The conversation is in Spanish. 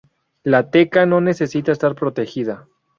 La teca no necesita estar protegida.